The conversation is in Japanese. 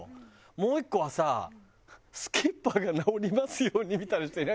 もう１個はさ「すきっ歯が直りますように」みたいな人いなかった？